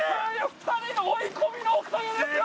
２人の追い込みのおかげですよ。